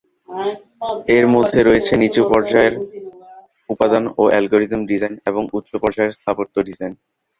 এর মধ্যে রয়েছে নিচু-পর্যায়ের উপাদান ও অ্যালগরিদম ডিজাইন এবং উচ্চ পর্যায়ের স্থাপত্য ডিজাইন।